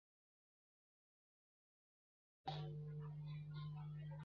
他的证据完全基于那些油画本身的特点。